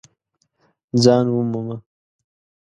ځان ومومه !